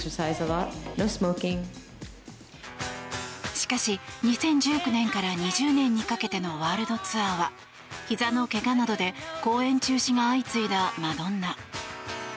しかし、２０１９年から２０年にかけてのワールドツアーはひざのけがなどで公演中止が相次いだマドンナ。